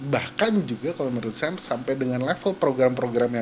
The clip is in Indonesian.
bahkan juga kalau menurut saya sampai dengan level program programnya